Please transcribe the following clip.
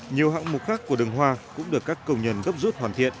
nhiều hạng mục khác của đường hoa cũng được các công nhân gấp rút hoàn thiện